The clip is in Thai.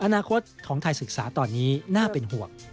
อนาคตของไทยศึกษาตอนนี้น่าเป็นห่วง